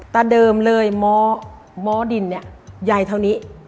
แต่เดิมเลยหมอดินใหญ่เท่านี้